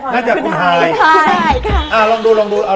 น่าจะคุณใหญ่